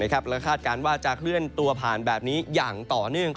คาดการณ์ว่าจะขึ้นตัวผ่านอย่างต่อเนื่อง